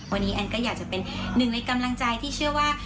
วันนี้แอนก็อยากจะเป็นหนึ่งในกำลังใจที่เชื่อว่า